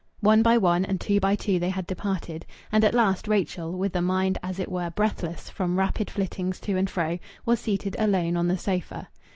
One by one and two by two they had departed, and at last Rachel, with a mind as it were breathless from rapid flittings to and fro, was seated alone on the sofa.